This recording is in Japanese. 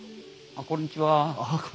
ああこんにちは。